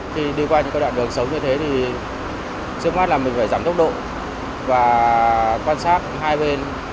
khi đi qua những cái đoạn đường xấu như thế thì trước mắt là mình phải giảm tốc độ và quan sát hai bên